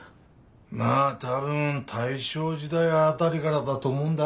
まあ多分大正時代辺りからだと思うんだうん。